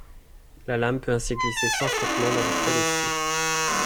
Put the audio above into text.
La lame peut ainsi glisser sans frottement dans le trait de scie.